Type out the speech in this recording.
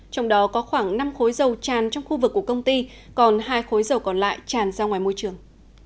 trong đó có khoảng năm khối dầu tràn trong khu vực của công ty còn hai khối dầu còn lại tràn ra ngoài môi trường